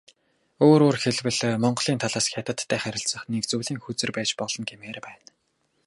Өөрөөр хэлбэл, Монголын талаас Хятадтай харилцах нэг зүйлийн хөзөр байж болно гэмээр байна.